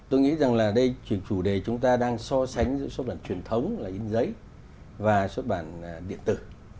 tôi nghĩ rằng là đây chủ đề chúng ta đang so sánh giữa xuất bản truyền thống là in giấy và xuất bản điện tử